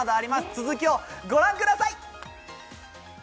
続きをご覧ください！